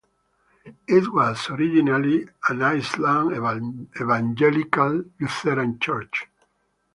It was originally an Icelandic Evangelical Lutheran church.